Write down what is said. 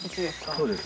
そうです。